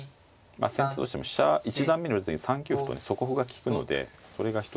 先手としても飛車一段目に打つ手に３九歩と底歩が利くのでそれが一つこう。